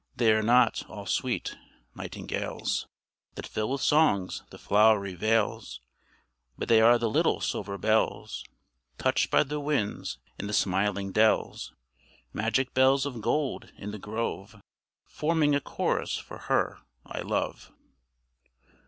They are not all sweet nightingales, That fill with songs the flowery vales, But they are the little silver bells Touched by the winds in the smiling dells; Magic bells of gold in the grove, Forming a chorus for her I love.